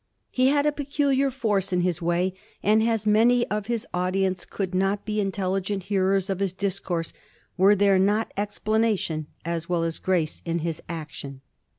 He has a peculiar force in his way, and has many of his audience who could not be intelligent hearers of his discourse were there not explanation as well as grace in his action.